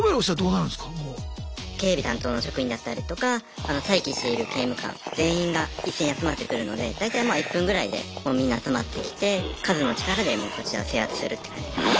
警備担当の職員だったりとか待機している刑務官全員が一斉に集まってくるので大体まあ１分ぐらいでみんな集まってきて数の力でもうこちらを制圧するって感じです。